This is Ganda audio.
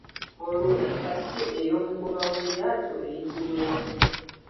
Olwo enkasi ey'omugoba w'eryato eyitibwa etya?